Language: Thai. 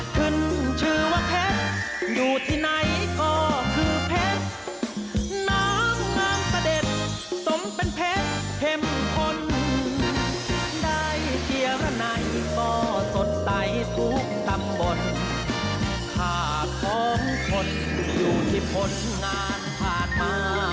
โปรดติดตามตอนต่อไป